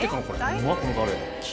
うまっこのカレー。